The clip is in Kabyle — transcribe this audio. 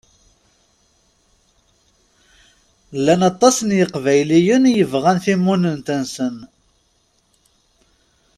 Llan aṭas n Iqbayliyen i yebɣan timunent-nsen.